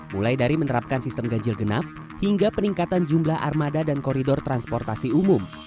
mulai dari menerapkan sistem ganjil genap hingga peningkatan jumlah armada dan koridor transportasi umum